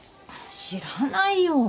知らないよ。